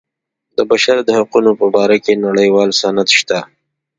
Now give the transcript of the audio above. د بشر د حقونو په باره کې نړیوال سند شته.